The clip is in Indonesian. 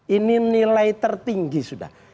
ini nilai tertinggi sudah